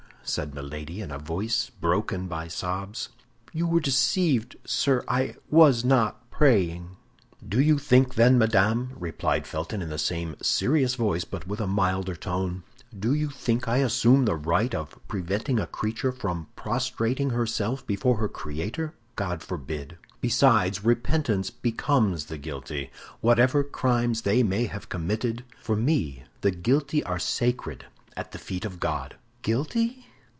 said Milady, in a voice broken by sobs. "You were deceived, sir; I was not praying." "Do you think, then, madame," replied Felton, in the same serious voice, but with a milder tone, "do you think I assume the right of preventing a creature from prostrating herself before her Creator? God forbid! Besides, repentance becomes the guilty; whatever crimes they may have committed, for me the guilty are sacred at the feet of God!" "Guilty?